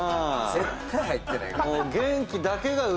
絶対入ってない。